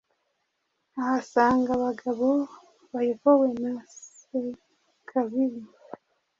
ahasanga abagabo bayobowe na Sekabibi,